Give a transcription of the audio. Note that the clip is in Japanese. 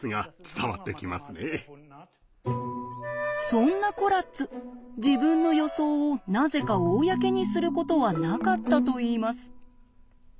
そんなコラッツ自分の予想をなぜか公にすることはなかったといいます。